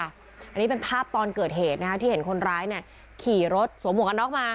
อันนี้เป็นภาพตอนเกิดเหตุที่เห็นคนร้ายขี่รถสวมหวกกันน็อกมา